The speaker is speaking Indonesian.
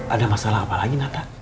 ada masalah apa lagi nata